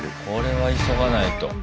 これは急がないと。